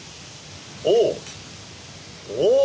おお！